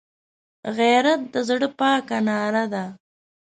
غیرت د زړه پاکه ناره ده